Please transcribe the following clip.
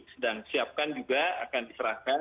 sedang siapkan juga akan diserahkan